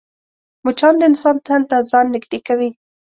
مچان د انسان تن ته ځان نږدې کوي